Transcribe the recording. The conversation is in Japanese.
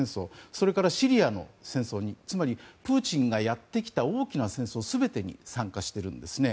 それからシリアの戦争につまり、プーチンがやってきた大きな戦争全てに参加しているんですね。